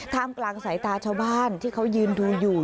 กลางสายตาชาวบ้านที่เขายืนดูอยู่